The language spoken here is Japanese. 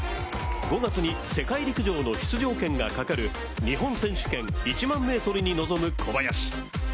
５月に世界陸上の出場権がかかる日本選手権１００００ｍに臨む小林。